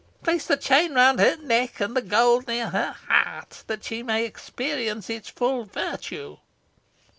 Place the chain round her neck, and the gold near her heart, that she may experience its full virtue."